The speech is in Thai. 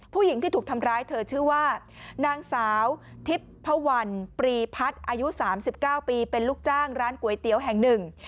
ปรีพัฒน์อายุ๓๙ปีเป็นลูกจ้างร้านก๋วยเตี๋ยวแห่งหนึ่ง